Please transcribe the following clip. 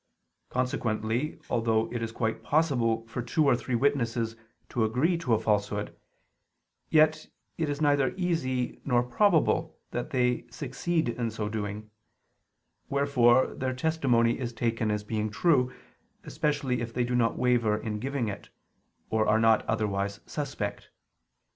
Consequently, although it is quite possible for two or three witnesses to agree to a falsehood, yet it is neither easy nor probable that they succeed in so doing: wherefore their testimony is taken as being true, especially if they do not waver in giving it, or are not otherwise suspect.